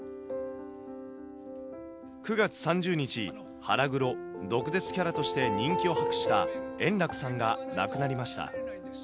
９月３０日、腹黒・毒舌キャラとして人気を博した円楽さんが亡くなりました。